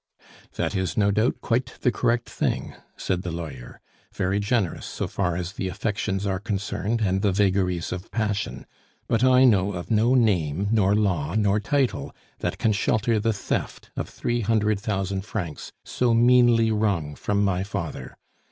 "That is, no doubt, quite the correct thing," said the lawyer; "very generous so far as the affections are concerned and the vagaries of passion; but I know of no name, nor law, nor title that can shelter the theft of three hundred thousand francs so meanly wrung from my father!